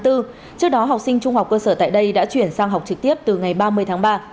trước đó học sinh trung học cơ sở tại đây đã chuyển sang học trực tiếp từ ngày ba mươi tháng ba